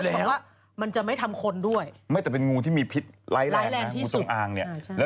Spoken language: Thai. ตัวเมียตายหรือถ้าฆ่าสมียตายนะ